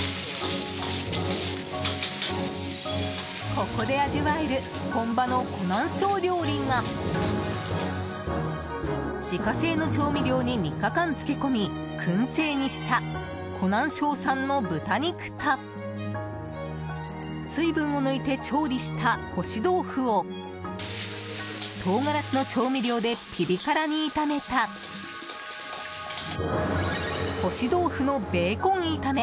ここで味わえる本場の湖南省料理が自家製の調味料に３日間漬け込み、薫製にした湖南省産の豚肉と水分を抜いて調理した干し豆腐を唐辛子の調味料でピリ辛に炒めた干し豆腐のベーコン炒め。